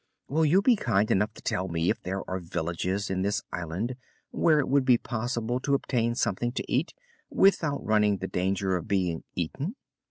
"Will you be kind enough to tell me if there are villages in this island where it would be possible to obtain something to eat, without running the danger of being eaten?"